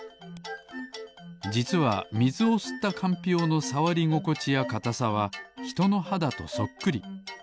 じつはみずをすったかんぴょうのさわりごこちやかたさはひとのはだとそっくり。